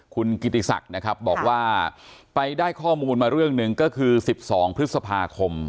คุณกิติศักดิ์นะครับบอกว่าไปได้ข้อมูลมาเรื่องหนึ่งก็คือ๑๒พฤษภาคม